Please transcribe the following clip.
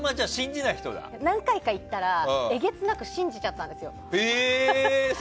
何回か行ったらえげつなく信じちゃったんですよ。